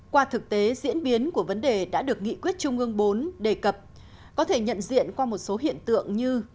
qua thực tế diễn biến của vấn đề đã được nghị quyết trung ương bốn đề cập có thể nhận diện qua một số hiện tượng như